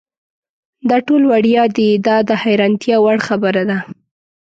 دا ټول وړیا دي دا د حیرانتیا وړ خبره ده.